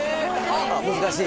難しい？